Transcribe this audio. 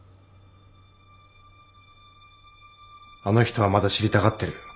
あの人はまだ知りたがってる。